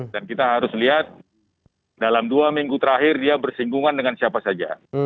dan kita harus lihat dalam dua minggu terakhir dia bersinggungan dengan siapa saja